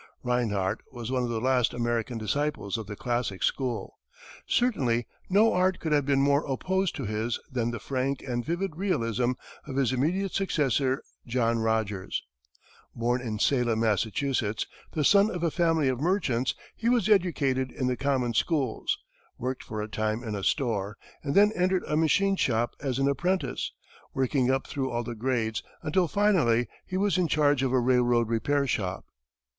Rinehart was one of the last American disciples of the classic school. Certainly no art could have been more opposed to his than the frank and vivid realism of his immediate successor, John Rogers. Born in Salem, Massachusetts, the son of a family of merchants, he was educated in the common schools, worked for a time in a store, and then entered a machine shop as an apprentice, working up through all the grades, until finally he was in charge of a railroad repair shop.